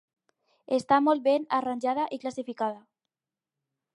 Està molt ben arranjada i classificada.